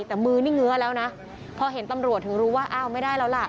แต่มือนี่เงื้อแล้วนะพอเห็นตำรวจถึงรู้ว่าอ้าวไม่ได้แล้วล่ะ